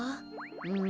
うん。